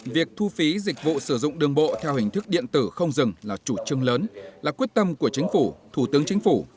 việc thu phí dịch vụ sử dụng đường bộ theo hình thức điện tử không dừng là chủ trưng lớn là quyết tâm của chính phủ thủ tướng chính phủ